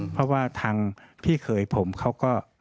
เพราะว่าทางพี่เขยผมเขาก็